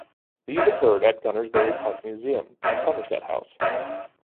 These occurred in Gunnersbury Park Museum and at Somerset House.